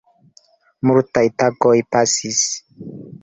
Multaj tagoj pasis.